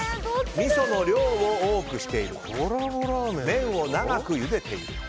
味噌の量を多くしている麺を長くゆでている。